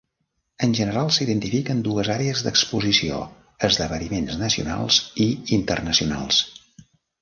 En general, s'identifiquen dues àrees d'exposició: esdeveniments nacionals i internacionals.